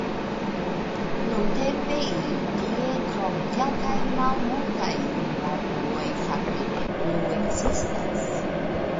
Nuntempe ili tie krom kelkaj malmultaj unuopuloj fakte ne plu ekzistas.